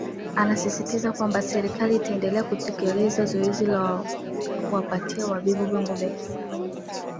Alisisisitiza kwamba Serikali itaendelea kutekeleza zoezi la kuwapatia wavuvi vyombo vya kisasa